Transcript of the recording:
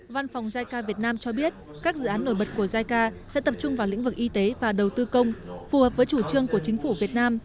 văn phòng jica việt nam cho biết các dự án nổi bật của jica sẽ tập trung vào lĩnh vực y tế và đầu tư công phù hợp với chủ trương của chính phủ việt nam